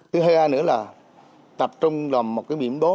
thứ hai nữa là tập trung vào một cái biển đố